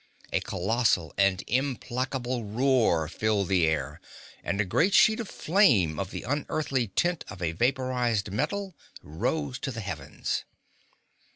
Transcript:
A colossal and implacable roar filled the air, and a great sheet of flame of the unearthly tint of a vaporized metal rose to the heavens.